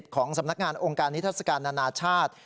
ของสำนักงานองค์การนิทัศกาลนานาชาติ